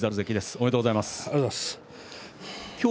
ありがとうございます。